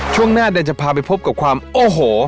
ช่วงหน้าเดี๋ยวจะพาไปพบกับความโอ้โห